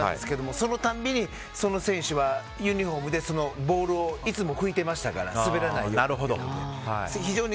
そのたびにその選手はユニホームでボールをいつも拭いてましたから滑らないように。